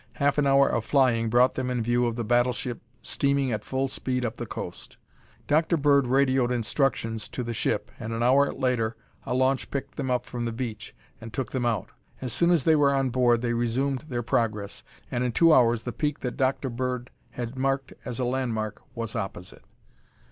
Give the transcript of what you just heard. Half an hour of flying brought them in view of the battleship steaming at full speed up the coast. Dr. Bird radioed instructions to the ship, and an hour later a launch picked them up from the beach and took them out. As soon as they were on board they resumed their progress, and in two hours the peak that Dr. Bird had marked as a landmark was opposite.